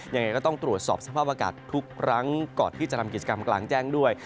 ยังไงก็ต้องตรวจสอบสภาพอากาศทุกครั้งก่อนที่จะทำกิจกรรมกลางแจ้งด้วย